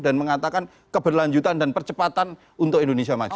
dan mengatakan keberlanjutan dan percepatan untuk indonesia maju